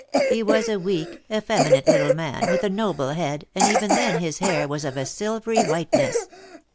He was a weak, effeminate little man, with a noble head, and even then his hair was of a silvery whiteness.